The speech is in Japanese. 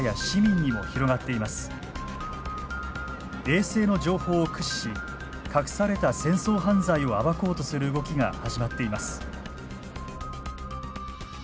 衛星の情報を駆使し隠された戦争犯罪を暴こうとする動きが始まっています。